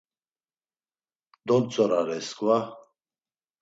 Dontzorare sǩva…